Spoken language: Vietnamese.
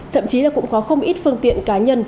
thậm chí là cũng có không ít phương tiện cá nhân